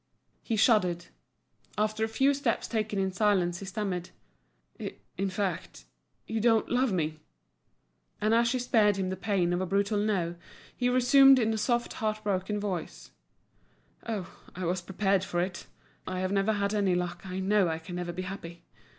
He shuddered. After a few steps taken in silence, he stammered: "In fact, you don't love me?" And as she spared him the pain of a brutal "no," he resumed in a soft, heart broken voice: "Oh, I was prepared for it. I have never had any luck, I know I can never be happy.